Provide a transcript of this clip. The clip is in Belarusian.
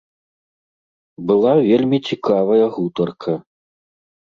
Была вельмі цікавая гутарка.